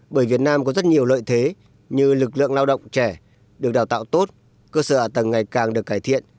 bởi việt nam có rất nhiều lợi thế như lực lượng lao động trẻ được đào tạo tốt cơ sở ả tầng ngày càng được cải thiện